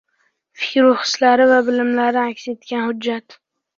fikru hislari va bilimlari aks etgan hujjat;